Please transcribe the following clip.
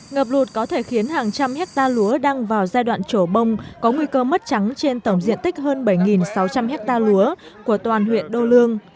ngập lụt có thể khiến hàng trăm hectare lúa đang vào giai đoạn trổ bông có nguy cơ mất trắng trên tổng diện tích hơn bảy sáu trăm linh hectare lúa của toàn huyện đô lương